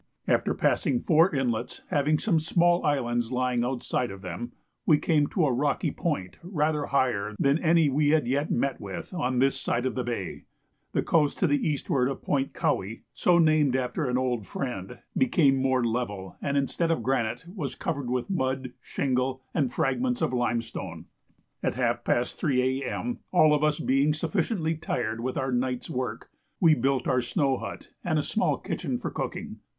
After passing four inlets having some small islands lying outside of them, we came to a rocky point rather higher than any we had yet met with on this side of the bay. The coast to the eastward of Point Cowie (so named after an old friend) became more level, and instead of granite, was covered with mud, shingle, and fragments of limestone. At half past 3 A.M., all of us being sufficiently tired with our night's work, we built our snow hut and a small kitchen for cooking.